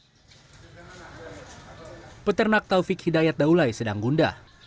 pertama peternak taufik hidayat daulay sedang gundah